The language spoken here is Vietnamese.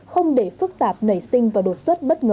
không để phức tạp nảy sinh và đột xuất bất ngờ